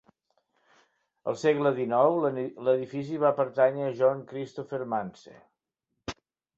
Al segle dinou, l'edifici va pertànyer a John Christopher Manse.